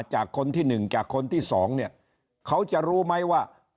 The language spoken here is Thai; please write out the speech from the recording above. จากคนที่๑จากคนที่สองเนี่ยเขาจะรู้ไหมว่า